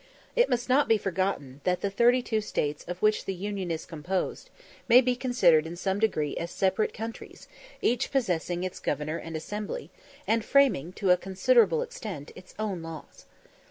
It must not be forgotten that the thirty two States of which the Union is composed, may be considered in some degree as separate countries, each possessing its governor and assembly, and framing, to a considerable extent, its own laws.